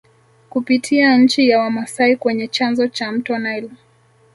Kupitia nchi ya Wamasai kwenye chanzo cha mto Nile